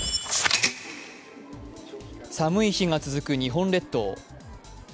寒い日が続く日本列島。